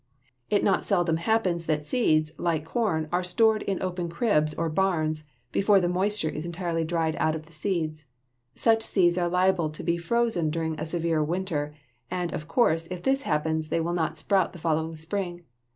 It not seldom happens that seeds, like corn, are stored in open cribs or barns before the moisture is entirely dried out of the seeds. Such seeds are liable to be frozen during a severe winter, and of course if this happens they will not sprout the following spring.